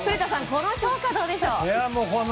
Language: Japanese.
この評価はどうでしょう。